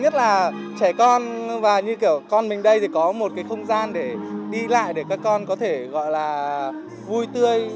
trẻ con và như kiểu con mình đây thì có một cái không gian để đi lại để các con có thể gọi là vui tươi